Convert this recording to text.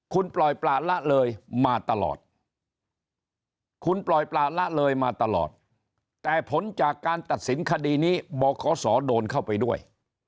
คุณปล่อยปลาละเลยมาตลอดแต่ผลจากการตัดสินคดีนี้บขโดนเข้าไปด้วย